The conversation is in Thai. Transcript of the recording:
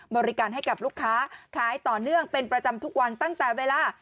บริการให้กับลูกค้าขายต่อเนื่องเป็นประจำทุกวันตั้งแต่เวลา